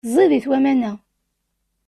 Ẓidit waman-a.